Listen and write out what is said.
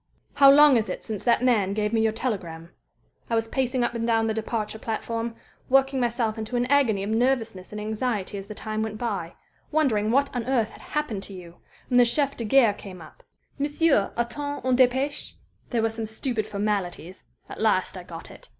"How long is it since that man gave me your telegram? I was pacing up and down the departure platform, working myself into an agony of nervousness and anxiety as the time went by, wondering what on earth had happened to you, when the chef de gare came up: 'Monsieur attend une dépêche?' There were some stupid formalities at last I got it.